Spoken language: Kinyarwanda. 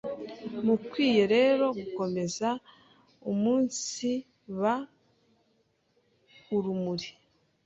mukwiye rero gukomeza umunsiba urumuri